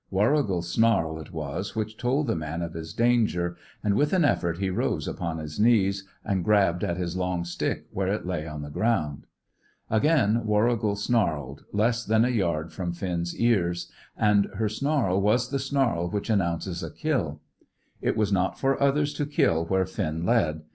Warrigal's snarl it was which told the man of his danger, and, with an effort, he rose upon his knees, and grabbed at his long stick where it lay on the ground. Again Warrigal snarled, less than a yard from Finn's ears, and her snarl was the snarl which announces a kill. It was not for others to kill where Finn led.